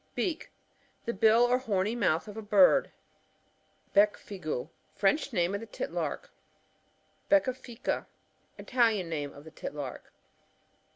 Beak — The bill or horny mouth of a bird. Becffgue. — Fiench name of the Tit lark. Becca fica — Italian name of the Tit lark.